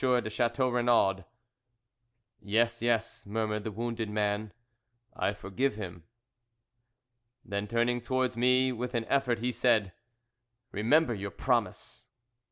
de Chateau Renaud." "Yes, yes," murmured the wounded man, "I forgive him." Then turning towards me with an effort he said, "Remember your promise!"